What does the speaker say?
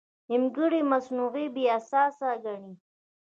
نیمګړی مصنوعي بې اساسه ګڼي.